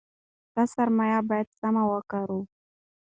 دا سرمایه باید سمه وکاروو.